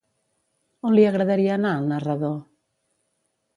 On li agradaria anar al narrador?